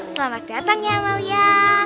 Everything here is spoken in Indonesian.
selamat datang ya amalia